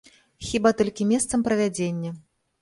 Хіба толькі месцам правядзення.